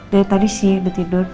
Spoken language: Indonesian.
dari tadi sih udah tidur